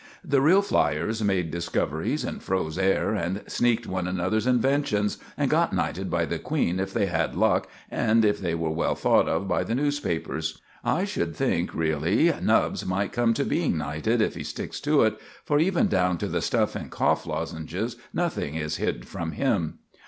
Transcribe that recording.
The real flyers made discoveries and froze air, and sneaked one another's inventions, and got knighted by the Queen if they had luck and if they were well thought of by the newspapers. I should think really Nubbs might come to being knighted if he sticks to it, for even down to the stuff in cough lozenges nothing is hid from him.